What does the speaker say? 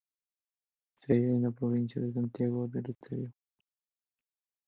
Se halla en la provincia de Santiago del Estero.